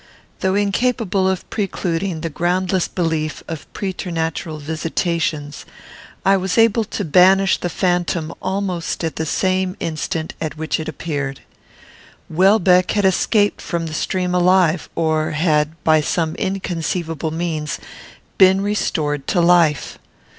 Though incapable of precluding the groundless belief of preternatural visitations, I was able to banish the phantom almost at the same instant at which it appeared. Welbeck had escaped from the stream alive; or had, by some inconceivable means, been restored to life.